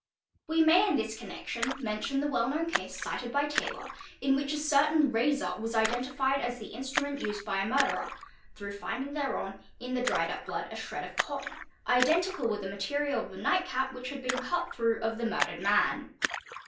We may in this connection mention the well known case, cited by — Taylor, in which a certain razor was identified as the instrument used — by a murderer, through finding thereon, in the dried up blood, a shred of cotton, identical with the material of the night cap, which had been se 3 through, of the murdered man.